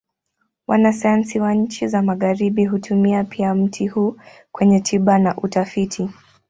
Wanasayansi wa nchi za Magharibi hutumia pia mti huu kwenye tiba na utafiti.